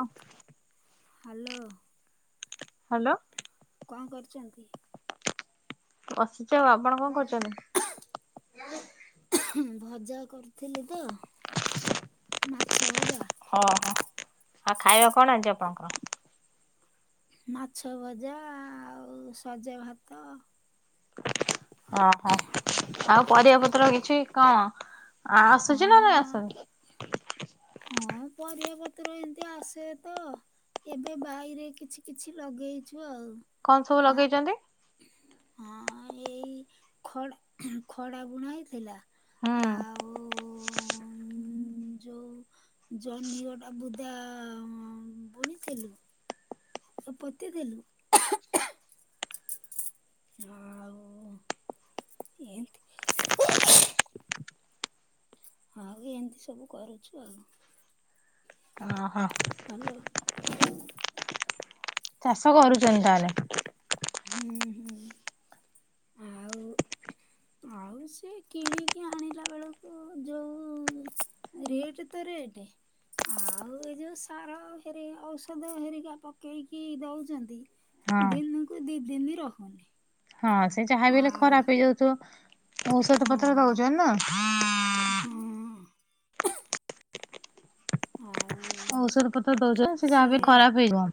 ହଁ। Hello. Hello. କଣ କରୁଚନ୍ତି? ବସିଚି ଆଉ ଆପଣ କଣ କରୁଚନ୍ତି? ହୁଁ ଭଜା କରୁଥିଲି ତ ମାଛ ଭଜା। ଅହୋ ଆଉ ଖାଇବା କଣ ଆଜି ଆପଣଙ୍କର? ମାଛ ଭଜା ଆଉ ସଜ ଭାତ। ଅହୋ ଆଉ ପରିବା ପତ୍ର କିଛି କଣ ଆ ଆସୁଚି ନା ନାଇଁ ହଁ ଆସୁନି? ହଁ ପରିବା ପତ୍ର ଏମତି ଆସେ ତ। ଏବେ ବାଇରେ କିଛି କିଛି ଲଗେଇଛୁ ଆଉ। କଣ ସବୁ ଆ ଲଗେଇଚନ୍ତି? ହଁ ଏଇ ଖଡା ଖଡା ବୁଣା ହେଇଥିଲା। ହୁଁ। ଅଁ ଉଁ ଯୋଉ ଜହ୍ନି ଗୋଟା ବୁଦା ବୁଣିଥିଲୁ। ଏ ପୋତିଥିଲୁ। ଆଉ ଏଁତି ଆଉ ଏମତି ସବୁ କରୁଛୁ ଆଉ। ଅହୋ। ହାଲୋ। ଚାଷ କରୁଚନ୍ତି ତାହେଲେ? ହୁଁ ହୁଁ ଆ ଆଉ ସିଏ କିଣିକି ଆଣିଲା ବେଳକୁ ଯୋଉ ରେଟ୍ ତ ରେଟ୍ ଆଉ ଏ ଯୋଉ ସାର ହେରି ଔଷଧ ହେରିକା ପକେଇକି ଦଉଚନ୍ତି। ହଁ ଦିନକୁ ଦି ଦିନି ରହୁନି। ହଁ ସେ ଯାହା ବି ହେଲେ ଆଉ ଖରାପ ହେଇଯାଉଥିବ ଔଷଧ ହଁ ପତ୍ର ଦଉଚନ୍ତି ନା। ହଁ। ଆଉ ଔଷଧ ପତ୍ର ଦଉଚନ୍ତି ସେ ଯାହାବି ସିଏ ଖରାପ ହେଇଯିବ।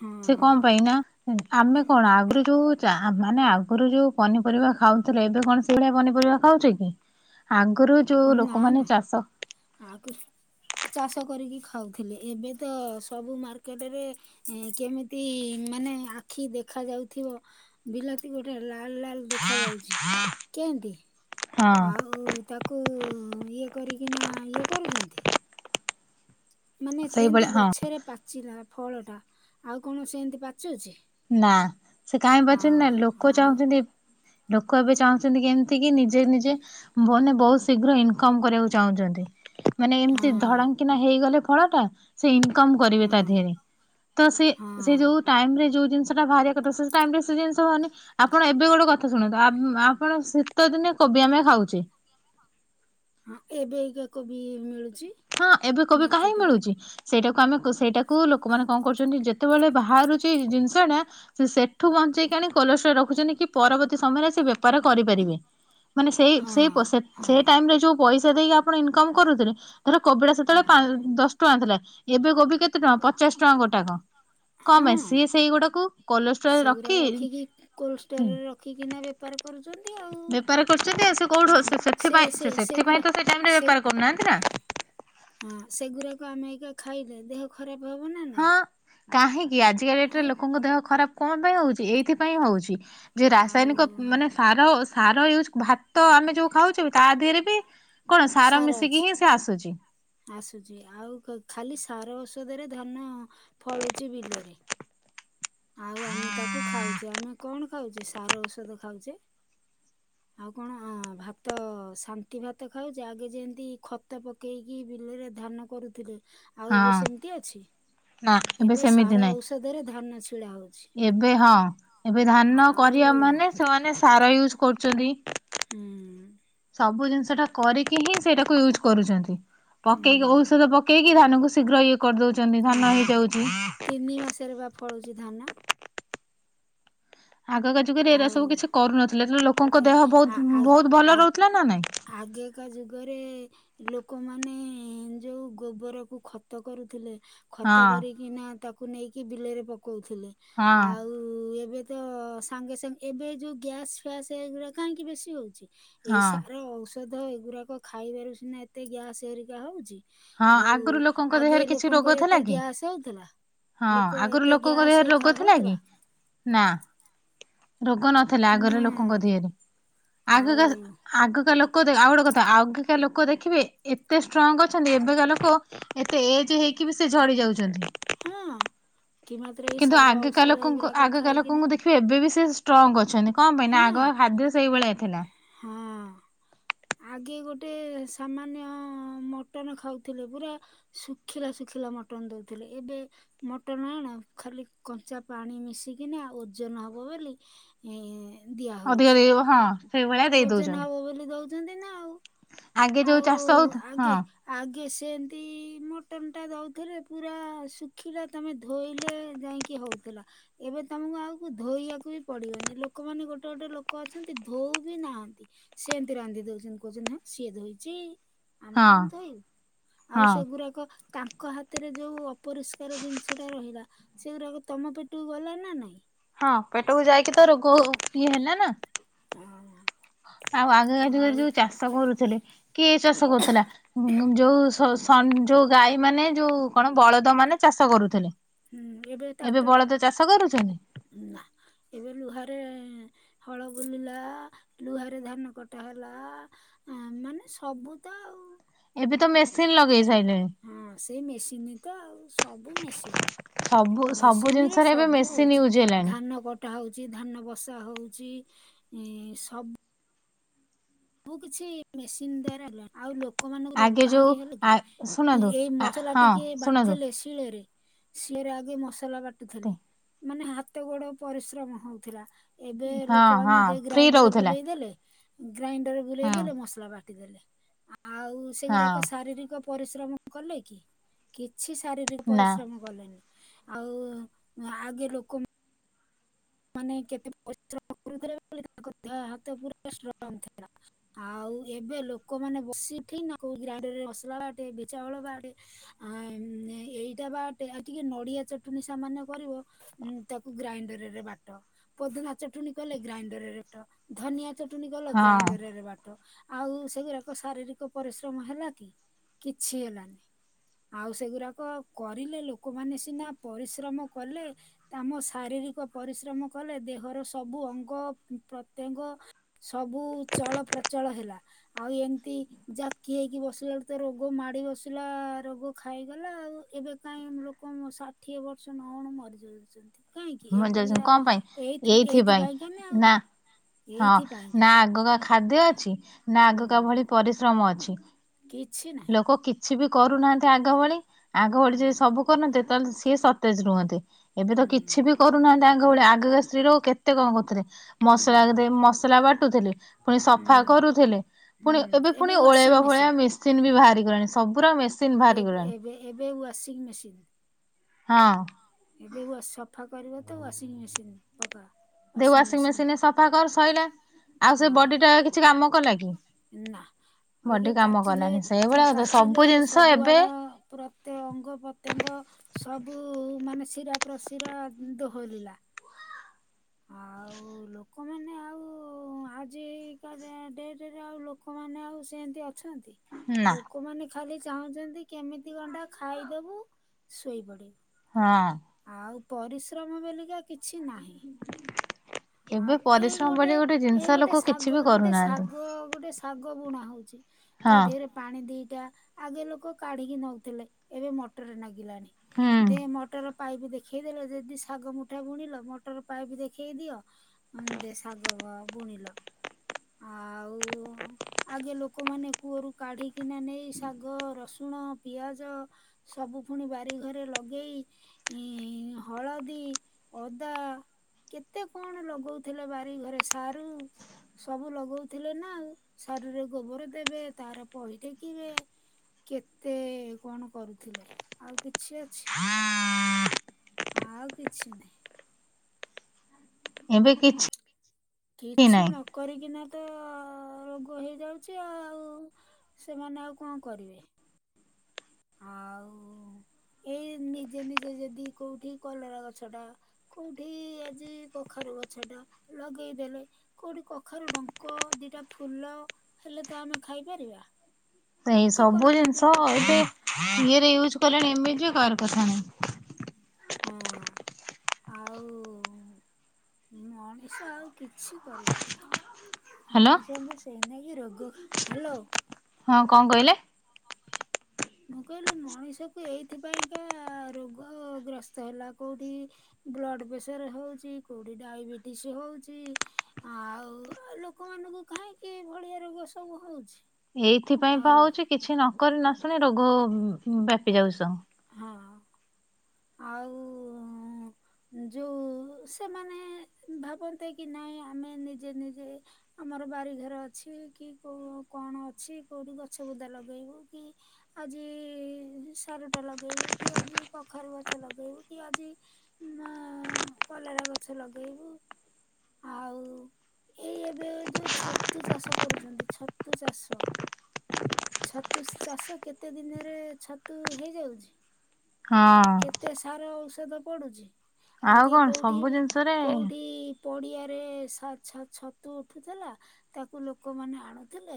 ହଁ ସେ କଣ ପାଇଁ ନା ଉଁ ଆମେ କଣ ଆଗୁରୁ ଯୋଉ ଚା ଆ ମାନେ ଆଗରୁ ଯୋଉ ପନିପରିବା ଖାଉଥିଲେ ଏବେ କଣ ସେଇଭଳିଆ ପନିପରିବା ଖାଉଚେ କି? ଆଗରୁ ଯୋଉ ନା ଲୋକମାନେ ନା ଚାଷ ଆଗୁରୁ ଚାଷ କରିକି ଖାଉଥିଲେ ଏବେ ତ ସବୁ ମାର୍କେଟରେ ଏଁ କେମିତି ମାନେ ଆଖି ଦେଖାଯାଉଥିବ। ବିଲାତି ଗୋଟେ ଲାଲ ଲାଲ ଦେଖା ଯାଉଛି। କେନ୍ତି? ହଁ ଆଉ ତାକୁ ଇଏ କରିକିନା ଇଏ କରୁଛନ୍ତି? ମାନେ ସେଇଭଳିଆ ଯେମତି ହଁ ଗଛରେ ପାଚିଲା ଫଳଟା ଆଉ କଣ ସେମିତି ପାଚୁଛି? ନା ସେ କାହିଁ ପଚୁନିନା ହଁ ଲୋକ ଆଉ ଚାହୁଁଛନ୍ତି ଲୋକ ଏବେ ଚାହୁଁଛନ୍ତି କେମିତି କି ନିଜେ ନିଜେ ମାନେ ବହୁତ ଶୀଘ୍ର ଇନକମ କରିବାକୁ ଚାହୁଁଛନ୍ତି। ମାନେ ହଁ ଏମିତି ଧଡ଼ଙ୍କିନା ହେଇଗଲେ ଫଳଟା ସେଇ ଇନକମ କରିବେ ତା ହଁ ଦିହରେ ତ ସେଇ ହଁ ଯୋଉ ଟାଇମରେ ଯୋଉ ଜିନିଷ ସେଟା ବାହାରିବା କଥା, ସେ ଟାଇମରେ ସେ ଜିନଷ ବାହାରୁନି। ଆପଣ ଏବେ ଗୋଟେ କଥା ଶୁଣନ୍ତୁ, ଆପଣ ଶୀତଦିନେ କୋବି ଆମେ ଖାଉଛେ। ହଁ ଏବେ ଅଇକା କୋବି ମିଳୁଛି। ହଁ ଏବେ କୋବି କାହିଁକି ମାର୍କେଟରେ ମିଳୁଛି? ସେଇଟାକୁ ଆମେ ସେଇଟାକୁ ଲୋକମାନେ କଣ କରୁଛନ୍ତି, ଯେତେବେଳେ ବାହାରୁଛି ଜିନିଷଟା ସେ ସେଠୁ ବଞ୍ଚେଇକି ଆଣି କୋଲେଷ୍ଟ୍ରଲ ରଖୁଛନ୍ତି କି ପରବର୍ତ୍ତୀ ସମୟରେ ସେ ବେପାର କରିପାରିବେ। ମାନେ ସେଇ ହଁ ସେଇ ହଁ ସେଇ ଟାଇମରେ ଯୋଉ ପଇସା ଦେଇକି ଆପଣ ଇନକମ କରୁଥିଲେ। ଧର କୋବିଟା ହଁ ସେତେବେଳେ ଦଶ ଟଙ୍କା ଥିଲା, ଏବେ କୋବି କେତେ ଟଙ୍କା ପଚାଶ ଟଙ୍କା ଗୋଟାକ। କଁ ପାଇଁ ହଁ ସିଏ ସେଇଗୁଡାକୁ କୋଲେଷ୍ଟ୍ରୋଲରେ ସେଗୁରା ରଖି। ରଖିକି କୋଲ୍ଡ ଷ୍ଟୋରରେ ରଖିକିନା ବେପାର କରୁଛନ୍ତି ଆଉ। ବେପାର କରୁଛନ୍ତି, ସେ କୋଉଠୁ ଆଉ ସେ ସେଥିପାଇ ସେ ସେଥିପାଇଁ ସେଗୁରା ତ ସେ ଟାଇମରେ ବେପାର କରୁନାହାନ୍ତି ନା। ହଁ ସେଗୁରାକ ଆମେ ଏଇକା ଖାଇଲେ, ଦେହ ଖରାପ ହବ ନା ହଁ ନାଇଁ? କାହିଁକି ଆଜିକା ଡେଟରେ ଆଉ ଲୋକଙ୍କ ଦେହ ଖରାପ କଣ ପାଇଁ ହଉଛି? ଏଇଥିପାଇଁ ହଉଛି। ଯେ ଆଉ ରାସାୟନିକ ମାନେ ସାର ସାର ୟୁଜ ଭା ତ ଆମେ ଯୋଉ ଖାଉଛୁ ତା ଦେହରେ ବି କଣ ସାର ମିଶିକି ହିଁ ସେ ଆସୁଛି। ଆସୁଛି ଆଉ ଖାଲି ସାର ଔଷଧରେ ଧାନ ଫଳୁଛି ବିଲରେ। ଆଉ ଆମେ ତାକୁ ଖାଉଛେ, ଆମେ କଣ ଖାଉଛେ ସାର ଔଷଧ ଖାଉଛେ। [inaudible] ଆଉ କଣ ଭାତ, ଶାନ୍ତି ଭାତ ଖାଉଛେ। ଆଗେ ଯେମିତି ଖତ ପ ପକେଇକି ବିଲରେ ଧାନ କରୁଥିଲେ। ଆଉ ହଁ ଏବେ ସେମିତି ଅଛି, ନା ଏବେ ସେମିତି ସାର ନାହିଁ ଔଷଧରେ ଧାନ ଛିଡା ହଉଛି। ଏବେ ହଁ ଏବେ ଧାନ କରିବା ଆଉ ମାନେ ସେମାନେ ସାର ୟୁଜ କରୁଛନ୍ତି। ହୁଁ। ସବୁ ଜିନିଷଟା କରିକି ହିଁ ସେଇଟାକୁ ୟୁଜ କରୁଛନ୍ତି। ପକେଇକି ହୁଁ। ଔଷଧ ପକେଇକି ଧାନ କୁ ଶୀଘ୍ର ଇଏ କରିଦଉଛନ୍ତି, ଧାନ ହେଇଯାଉଛି। ନି ମାସରେ ବା ଫଳୁଛି ଧାନ। ଆଗକା ଯୁଗରେ ଏରା ଆଉ ସବୁ କିଛି କରୁନଥିଲେ, ଲୋକଙ୍କ ଏ ଦେହ ବହୁତ ବହୁତ ଭଲ ରହୁଥିଲା ନା ନାଇଁ। ଆଗକା ଯୁଗରେ ଲୋକମାନେ ଯୋଉ ଗୋବରକୁ ଖତ କରୁଥିଲେ। ହଁ ଖତ କରିକି ନା ତାକୁ ନେଇକି ବିଲରେ ପକଉଥିଲେ। ହଁ। ଉ ଏବେ ତ ସାଙ୍ଗେ ସାଙ୍ଗେ ଏବେ ଯୋଉ ଗ୍ୟାସ୍ ଫ୍ୟାସ୍ ଏଗୁଡା କାହିଁକି ବେଶୀ ହଉଛି? ଏଇ ହଁ ସାର ଔଷଧ ଏଗୁଡାକ ଖାଇବାରୁ ସିନା ଏତେ ଗ୍ୟାସ ହେରିକା ହଉଛି। ହଁ ଆଗରୁ ଆଉ, ଲୋକଙ୍କ ଦେହରେ ଆଗେ କିଛି ରୋଗ ଲୋକଙ୍କର ଥିଲା ଏତେ କି? ଗ୍ୟାସ ହଉଥିଲା। ହଁ ଲୋକ ଆଗରୁ ଏତେ ଲୋକଙ୍କ ଦେହରେ ଗ୍ୟାସ ରୋଗ ଖା ଥିଲା କି? ହଉଥିଲା। ନା, ରୋଗ ନଥିଲା ଆଗରେ ନା ଲୋକଙ୍କ ଦେହରେ ଆଗ ଆଉ ଆଗକା ଲୋକ ଆଉ ଗୋଟେ କଥା ଆଗକା ଲୋକ ଦେଖିବେ ଏତେ ଷ୍ଟ୍ରଙ୍ଗ ଅ ଛନ୍ତି, ଏବେକା ଲୋକ ଏତେ ଏଜ ହେଇକି ବି ସେ ଝଡି ଯାଉଛନ୍ତି। ହଁ, କି ମାତ୍ର ଏଇ କିନ୍ତୁ ସାର ଆଗକା ଔଷଧ ଲୋକଙ୍କୁ ଗୁଡାକ ଆଗକା ଖାଇକିନା ଲୋକଙ୍କୁ ଏବେ ବିି ସେ ଷ୍ଟ୍ରଙ୍ଗ୍ ଅଛନ୍ତି କଣ ପାଇଁ ନା ହଁ ଆଗ ଖାଦ୍ୟ ସେଇଭଳିଆ ଥିଲା। ହଁ। ଆଗେ ଗୋଟେ ସାମାନ୍ୟ ମଟନ ଖାଉଥିଲେ। ପୁରା ଶୁଖିଲା ଶୁଖିଲା ମଟନ ଦଉଥିଲେ। ଏବେ ମଟନ ଆଣ ଖାଲି କଞ୍ଚା ପାଣି ମିଶିକିନା ଓଜନ ହବ ବୋଲି। ଏଁ ଅଧିକ ଦେଇହବ ହଁ। ସେଇଭଳିଆ ଦେଇ ଓଜନ ଦଉଛନ୍ତି ହବ ବୋଲି ଦଉଛନ୍ତି ନା ଆଉ? ଆଗେ ଯୋଉ ଆଉ ଚାଷ ହଉଥ ଆଗେ ହଁ। ଆଗେ ସେମିତି ମଟନ୍ ଟା ଦେଉଥିଲେ ପୁରା ଶୁଖିଲା, ତମେ ଧୋଇଲେ ଯାଇଁ କି ହଉଥିଲା? ଏବେ ତମକୁ ଆଉ ଧୋଇବାକୁ ବି ପଡିବନି ଲୋକମାନେ ଗୋଟେ ଗୋଟେ ଲୋକ ଅଛନ୍ତି ଧୋଉ ବି ନାହାନ୍ତି। ସେମିତି ରାନ୍ଧି ଦଉଛନ୍ତି କହୁଛନ୍ତି ହାଁ। ସିଏ ଧୋଇଛି ଆମେ ହଁ କଣ ଧୋଇବୁ ଆଉ ହଁ ସେଗୁଡାକ ତାଙ୍କ ତାଙ୍କ ହାତରେ ଯୋଉ ଅପରିଷ୍କାର ଜିନିଷଟା ରହିଲା, ସେଗୁଡାକ ତମ ପେଟକୁ ଗଲା ନା ନାଇଁ? ହଁ ପେଟକୁ ଯାଇକି ତ ରୋଗ ଇଏ ହେଲା ନା। ହଁ। ଆଉ ଆଗକା ଯୁଗରେ ଯୋଉ ଚାଷ କରୁଥିଲେ, କିଏ ଚାଷ କରୁଥିଲା? ଯୋଉ ସ ଯୋଉ ଗାଈ ମାନେ ଯୋଉ କଣ ବଳଦ ମାନେ ଚାଷ କରୁଥିଲେ। ହୁଁ ଏବେ ବଳଦ ଚାଷ କରୁଛନ୍ତି? ନାଁ। ଏବେ ଲୁହାରେ ହଳ ବୁଲିଲା, ଲୁହାରେ ଧାନ କଟା ହେଲା। ଆ ମାନେ ସବୁ ତ ଆଉ। ଏବେ ତ ମେସିନ ଲଗେଇ ସାଇଲେଣି। ହଁ ସେଇ ମେସିନ୍ ତ ଆଉ। ସବୁ ମେସିନ, ସବୁ ସବୁ ମେସିନରେ ଜିନିଷରେ ଏବେ ସବୁ ମେସିନ ହଉଛି ୟୁଜ ହେଲାଣି ଧାନ କଟ କଟା ହଉଛି ଧାନ ବସା ହଉଛି ସବୁ ସବୁ କିଛି ମେସିନ୍ ଦ୍ୱାରା ଆଉ ଲୋ ଲୋକମାନଙ୍କୁ ରୋଗ ଆଗେ ଯୋଉ କାହିଁକି ହେଲେ କି ଆ ଶୁଣନ୍ତୁ ଏଇ ମସଲା ହଁ ଟିକେ ଶୁଣନ୍ତୁ ବାଟିଦେଲେ। ଶୀଳରେ ସିଏରେ ଆଗେ ମସଲା ବାଟୁଥିଲେ ମାନେ ହା ହାତ ଗୋଡ଼ ପରିଶ୍ରମ ହଉଥିଲା ଏବେ ହଁ ଲୋକମାନେ ହଁ ଦେ ଫ୍ରି ଗ୍ରାଇଣ୍ଡର ରହୁଥିଲା ବୁଲେଇ ଦେଲେ। ଗ୍ରାଇଣ୍ଡର ବୁଲେଇ ହଁ ଦେଲେ ମସଲା ବାଟି ଦେଲେ ଆଉ ହଁ ସେଗୁରାକ ଶାରୀରିକ ପରିଶ୍ରମ କଲେ କି କିଛି ଶାରୀରିକ ନା ପରିଶ୍ରମ କଲେନି ଆଉ ଆଗେ ଲୋକ ମାନେ କେତେ ପରିଶ୍ରମ କରୁଥିଲେ ବୋଲି ତାଙ୍କ ଦେହ ହାତ ପୁରା ଷ୍ଟ୍ରଙ୍ଗ ଥିଲା। ଆଉ, ଏବେ ଲୋକମାନେ ବସିକି ନା କୋଉ ଗ୍ରାଇଣ୍ଡରରେ ମସଲା ବାଟେ ବିରି ଚାଉଳ ବାଟେ। ଆ ଏଇଟା ବାଟେ ଟିକେ ନଡିଆ ଚଟଣି ସାମାନ୍ୟ କରିବ। ଉଁ ତାକୁ ଗ୍ରାଇଣ୍ଡରରେ ବାଟ୍ ଟ ପୋଦିନା ଚଟଣି କଲେ ଗ୍ରାଇଣ୍ଡରରେ ବାଟ ଧନିଆ ଚଟଣି କଲେ ହଁ ଗ୍ରାଇଣ୍ଡରରେ ବା ଟ ଆଉ ସେଗୁଡାକ ଶାରୀରିକ ପରିଶ୍ରମ ହେଲା କି କିଛି ହେଲାନି? ଆଉ ସେଗୁଡାକ କରିଲେ ଲୋକମାନେ ସିନା ପରିଶ୍ରମ କଲେ। ଆମ ଶାରୀରିକ ପରିଶ୍ରମ କଲେ ଦେହର ସବୁ ଅଙ୍ଗ ପ୍ରତ୍ୟଙ୍ଗ। ସବୁ ଚଳପ୍ରଚଳ ହେଲା। ଆଉ ଏମତି ଜାକି ହେଇକି ବସିଲାଠୁ ତ ରୋଗ ମାଡି ବସିଲା, ରୋଗ ଖାଇଗଲା ଆଉ ଏବେ କାଇ ଉଁ ଲୋକ ଷାଠିଏ ବର୍ଷ ନହଉଣୁ ମରି ଯାଉଚନ୍ତି। ମରି ଯାଉଛନ୍ତି କଣ ପାଇଁ? ଏଇଥିପାଇଁ ଏଇଥିପାଇଁକା ଆଉ ନା ହଁ ଏଇଥିପାଇଁକା ନା ଆଗକା ଖାଦ୍ୟ ଅଛି ନା ଆଗକା ହୁଁ ଭଳି ପରିଶ୍ରମ ଅଛି କିଛି ନାହିଁ ଲୋକ କି କିଛି ବି କରୁନାହାନ୍ତି ଆଗ ଭଳି ଆଗ ଭଳି ହଁ। ଯେ ସବୁ କରନ୍ତେ ତାହେଲେ ସିଏ ସତେଜ ରୁହନ୍ତେ। ଏବେ ତ କିଛି ହୁଁ। ବି କରୁନାହାନ୍ତି ଆଗ ଭଳିଆ ଆଗକା ସ୍ତ୍ରୀ ଲୋକ କେତେ କଣ କରୁଥିଲେ? ମସଲା ହୁଁ ଦେ ମସଲା ବାଟୁଥିଲେ, ପୁଣି ହୁଁ ସଫା କରୁଥିଲେ। ପୁଣି ହୁଁ ଏବେ ପୁଣି ୱାସିଂ ଓଳେଇବା ଫୋଳେଇବା ମେସିନ୍। ମେସିନ ବି ବାହାରି ଗଲାଣି ସବୁର ମେସ ଏବେ-ଏବେ -ଏବେ ୱାସିଂ ମେସିନ୍। ହଁ। ଏବେ ୱାସ ସଫା କରିବା ତ ୱାସିଂ ମେସିନ। ପକା। ଦେ ୱାସିଂ ମେସିନରେ ସଫା କର ସଇଲା ଆଉ ହଁ ସେ ବଡି ଟା କିଛି କାମ କଲା କି? ନା ବଡି ଇଏ କାମ କାଚିଲେ କଲାନି ସେଇଭଳିଆ କଥା ସବୁ କାଚିଲେ ଜିନିଷ ଏବେ ସବୁଆଡ ପୁରା ଏତେ ଅଙ୍ଗ ପ୍ରତ୍ୟଙ୍ଗ ସବୁ ମାନେ ଶିରା ପ୍ରସିରା ଦୋହରିଲା। ଆଉ ଆଉ ଲୋକମାନେ ଆଉ ଆଜିକା ଡେଟରେ ଆଉ ଲୋକମାନେ ଆଉ ସେମିତି ଅ ଅଛନ୍ତି ଲୋକ। ନା ଲୋକମାନେ ଖାଲି ଚାହୁଁଚନ୍ତି କେମିତି ଗଣ୍ଡା ଖାଇଦବୁ ଶୋଇପଡ଼ିବୁ। ହଁ। ଆଉ ପରିଶ୍ରମ ବେଲିକା କିଛି ନାହିଁ। [inaudible] ଆଉ ଏଇ ପରିଶ୍ରମ ଗୋଟେ ବୋଲି ଏଇ ଜିନିଷ ଗୋଟେ ଲୋକ କିଛି ଶାଗ ବି ଗୋଟେ କରୁନାହାନ୍ତି। ଶାଗ ଗୋଟେ ଶାଗ ବୁଣା ହଉଛି। ତା ହଁ ଦେହରେ ପାଣି ଦିଟା ଆଗେ ଲୋକ କାଢିକି ନଉଥିଲେ ଏବେ ମଟର ନାଗିଲାଣି। ହୁଁ ଦେ ମଟର ପାଇପି ଦେଖେଇଦେଲେ ଯଦି ଶାଗ ମୁଠା ବୁଣିଲ ମଟର ପାଇପି ଦେଖେଇ ଦିଅ। ଦେ ଶାଗ ଵ ବୁଣିଲ। ଆଉ ଆଗେ ଲୋକମାନେ କୂଅରୁ କାଢିକିନା ନେଇ ଶାଗ, ରସୁଣ, ପିଆଜ ସବୁ ଫୁଣି ବାରି ଘରେ ଲଗେଇ ଇଁ ଇ ହଳଦୀ, ଅଦା କେତେ କଣ ଲଗଉଥିଲେ ବାରି ଘରେ ସାରୁ। ସବୁ ଲଗଉଥିଲେ ନା ଆଉ ସାରୁରେ ଗୋବର ଦେବେ ତାର ପହି ଟେକିବେ। କେତେ କଣ କରୁଥିଲେ ଆଉ କିଛି ଅଛି। ଆଉ କିଛି ନାହିଁ। ଏବେ କିଛି କିଛି ନାହିଁ। ନ କରିକିନା ତ ରୋଗ ହେଇଯାଉଛି ଆଉ। ସେମାନେ ଆଉ କଣ କରିବେ? [inaudible] ଆଉ ଏଇ ନିଜେ ନିଜେ ଯଦି କୋଉଠି କଲରା ଗଛ ଟା କୋଉଠି ଆଜି କଖାରୁ ଗଛ ଟା ଲଗେଇଦେଲେ। କୋଉଠି କଖାରୁ ଡଙ୍କ ଦିଟା ଫୁଲ ହେଲେ ତ ଆମେ ଖାଇପାରିବା? ସେ ଏଇ କି ସବୁ କଲରା ଜିନିଷ ଦିଟା ଏବେ ଫଳିଲା ଇଏରେ ୟୁଜ କଲେଣି ଏମିତି କାହାର କଥା ନାହିଁ। [inaudible] ହ ମଣିଷ ଆଉ କିଛି କରିଲାନି। ହ୍ୟାଲୋ ମଣିଷଙ୍କୁ ସେ ନେଇକି ରୋଗ ହାଲୋ। ହଁ କଣ କହିଲେ? ମୁଁ କହିଲି ମଣିଷକୁ ଏଇଥିପାଇଁକା ରୋଗ ଗ୍ରସ୍ତ ହେଲା କଉଠି ବ୍ଲଡ ପ୍ରେସର ହଉଚି, କୋଉଠି ଡାଇବେଟିସ୍ ହଉଛି। ଆଉ ଲୋକମାନଙ୍କୁ କାହିଁକି ଏ ଭଳିଆ ରୋଗ ସବୁ ହଉଛି? ଏଇଥିପାଇଁ ବା ଆଉ ହଉଛି କିଛି ନକ ନସୁଲେ ରୋଗ ବ୍ୟାପି ଯାଉ ସବୁ। ହଁ ଆଉ। ଯୋଉ ସେମାନେ ଭାବନ୍ତେ କି ନାଇଁ ଆମେ ନିଜେ ନିଜେ ଆମର ବାରିଘର ଅଛି କି କୋଉ କଣ ଅଛି କୋଉଠି ଗଛ ବୂଦା ଲଗେଇବୁ କି ଆଜି ସାର ଟା ଲଗେଇବୁ କି ଆଜି କଖାରୁ ଗଛ ଲଗେଇବୁ କି ଆଜି ନା କଲରା ଗଛ ଲଗେଇବୁ। ଆଉ ଏଇ ଏବେ ଯୋଉ ଛତୁ ଚାଷ କରୁଛନ୍ତି ଛତୁ ଚାଷ ଛତୁ ଚାଷ କେତେ ଦିନରେ ଛତୁ ହେଇଯାଉଛି? ହଁ। ତେ ସାର ଔଷଧ ପଡୁଛି ଆଉ ଆଗେ କଣ କୋଉଠି ସବୁ ଜିନିଷରେ କୋଉଠି ପଡ଼ିଆରେ ଛ ଛ ଛତୁ ଉଠୁଥିଲା। ତାକୁ ଲୋକମାନେ ଆଣୁଥିଲେ,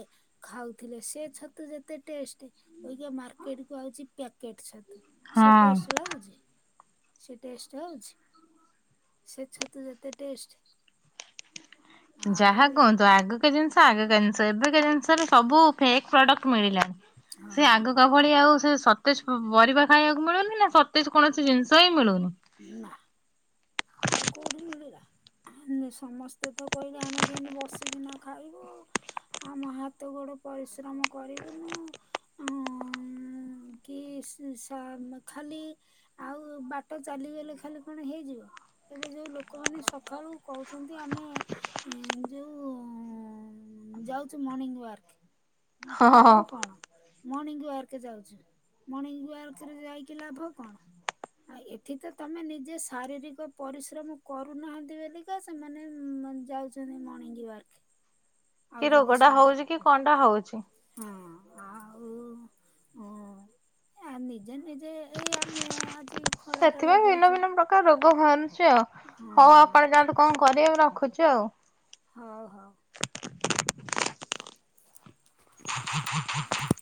ଖାଉଥିଲେ, ସେଛତ ଛତୁ ଯେତେ ଟେଷ୍ଟ, ଅଇକା ମାର୍କେଟ କୁ ଆଛି ପ୍ୟାକେଟ ଛତୁ, ସେ ହଁ ଟେଷ୍ଟ ଲାଗୁଛି? ସେ ଟେଷ୍ଟ ହଉଛି, ସେ ଛତୁ ଯେତେ ଟେଷ୍ଟ। ଆଉ ଯାହା କୁହନ୍ତୁ ଆଗ ଜିନିଷ ଆଗ ଜିନିଷ, ଏବେ ଜିନିଷରେ ସବୁ ଫେକ୍ ପ୍ରଡକ୍ଟ ମିଳିଲାଣି। ହଁ ସେ ଆଗ କ ଭଳି ଆଉ ସେତ ସତେଜ ପରିବା ଖାଇବାକୁ ମିଳୁନି, ନା ସତେଜ କୌଣସି ଜିନିଷ ହିଁ ମିଳୁନି। ନା ଆ ଆଉ କୋଉଠି ମିଳିଲା? ସମସ୍ତେ ତ କହିଲେ ଆମେ କେମିତି ବସିକି ନା ଖାଇବୁ ଆମ ହାତ ଗୋଡ ପରିଶ୍ରମ କରିବୁନୁ। କି ସ ଖାଲି ଆଉ ବାଟ ଚାଲିଗଲେ ଖାଲି କଣ ହେଇଯିବ? ଏବେ ଯୋଉ ଲୋକମାନେ ସକାଳୁ କହୁଛନ୍ତି ଆମେ ଯୋଉ ଯାଉଚୁ ମର୍ଣିିଂ ୱାର୍କ। ହଁ ହଁ ଲାଭ କଣ? ମର୍ଣ୍ଣିଙ୍ଗ ୱାର୍କ ଯାଉଛୁ, ମର୍ଣ୍ଣିଙ୍ଗ ୱାର୍କରେ ଯାଇକି ଲାଭ କଣ? ଆ ଏଠି ତ ତମେ ନିଜେ ଶାରୀରିକ ପରିଶ୍ରମ କରୁନାହାନ୍ତି ବୋଲିକା ସେମାନେ ଯାଉଛନ୍ତି ମର୍ଣ୍ଣିଙ୍ଗ ୱାର୍କ। ଆଉ କି ଯଦି ରୋଗ ଟା ସାର୍ ହଉଛି କି କଣ ଟା ହଉଛି? ହଁ ଆଉ ନିଜେ ନିଜେ ଏଇ ଆମେ ଆଜି ଖଳା ଟା ସେଥିପାଇଁ ଭିନ୍ନ ଲଗେଇଛୁ ଭିନ୍ନ ପ୍ରକାର ରୋଗ ବାହାରୁଛି ଆଉ, ହଁ ହଉ ଆପଣ ଯାଆନ୍ତୁ କଣ କରିବେ, ରଖୁଛୁ ଆଉ ହଉ ହଉ। [unintelligible]